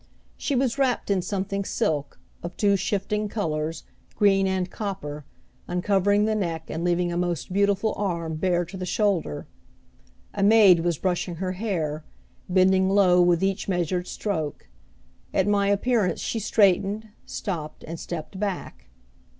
She was wrapped in something silk, of two shifting colors, green and copper, uncovering the neck and leaving a most beautiful arm bare to the shoulder. A maid was brushing her hair, bending low with each measured stroke. At my appearance she straightened, stopped, and stepped back.